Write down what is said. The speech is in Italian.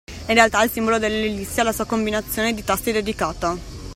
In realtà il simbolo dell’ellissi ha la sua combinazione di tasti dedicata.